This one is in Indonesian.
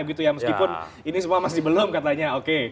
meskipun ini semua masih belum katanya oke